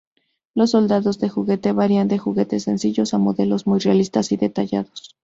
Los soldados de juguete varían de juguetes sencillos a modelos muy realistas y detallados.